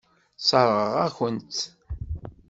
Sseṛɣeɣ-akent-tt.